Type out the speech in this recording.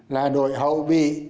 là đội hậu bị đáng tin cảnh